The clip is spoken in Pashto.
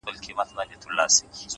هغه وه تورو غرونو ته رويا وايي؛